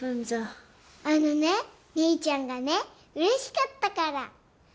あのね未依ちゃんがね嬉しかったから。